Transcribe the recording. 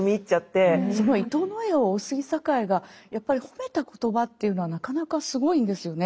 伊藤野枝を大杉栄がやっぱり褒めた言葉っていうのはなかなかすごいんですよね。